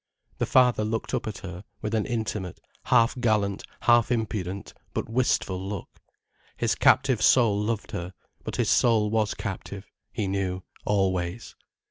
The father looked up at her, with an intimate, half gallant, half impudent, but wistful look. His captive soul loved her: but his soul was captive, he knew, always.